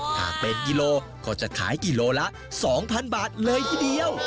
หากเป็นกิโลก็จะขายกิโลละ๒๐๐บาทเลยทีเดียว